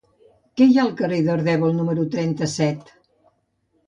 Què hi ha al carrer d'Ardèvol número trenta-set?